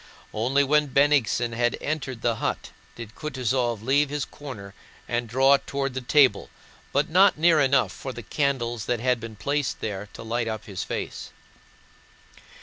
Only when Bennigsen had entered the hut did Kutúzov leave his corner and draw toward the table, but not near enough for the candles that had been placed there to light up his face.